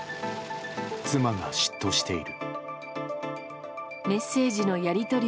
妻が嫉妬している。